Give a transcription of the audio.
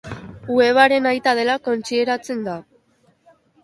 Webaren aita dela kontsideratzen da.